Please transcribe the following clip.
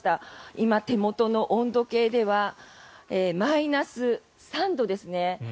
今、手元の温度計ではマイナス３度ですね。